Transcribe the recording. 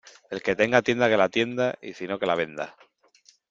El que tenga tienda que la atienda, y si no que la venda.